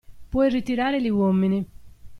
Puoi ritirare gli uomini.